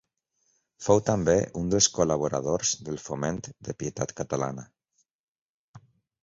Fou també un dels col·laboradors del Foment de Pietat Catalana.